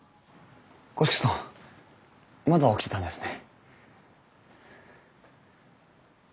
五色さんまだ起きてたんですね。